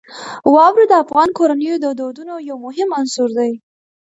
واوره د افغان کورنیو د دودونو یو مهم عنصر دی.